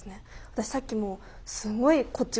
私さっきもすごいこっち